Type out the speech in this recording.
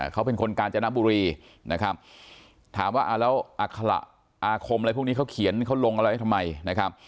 เขาเป็นคนกาญจนบุรีนะครับถามว่าแล้วอัคระอาคมอะไรพวกนี้เขาเขียนเขาลงอะไรไว้ทำไมนะครับ